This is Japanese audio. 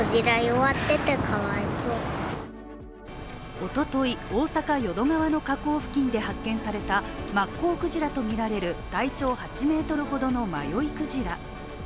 おととい、大阪・淀川の河口付近で発見されたマッコウクジラとみられる体長８ｍほどの迷いクジラ。